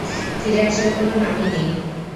ফিরে আসার কোনো নামই নেই।